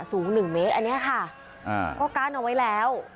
สูงหนึ่งเมตรอันนี้ค่ะอ่าก็การ์ดออกไว้แล้ว